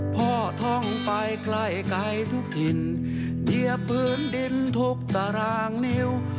พ่อท่องไปใกล้ไกลทุกถิ่นเดี๋ยวพื้นดินทุกตารางนิว